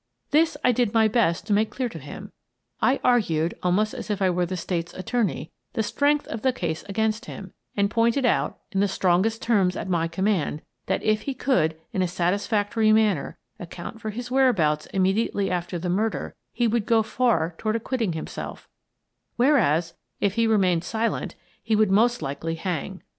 This I did my best to make clear to him. I argued, almost as if I were the State's attorney, the strength of the case against him and pointed out, in the strongest terms at my command, that if he could, in a satisfactory manner, account for his whereabouts immediately after the murder, he would go far toward acquitting himself, whereas if he remained silent, he would most likely hang.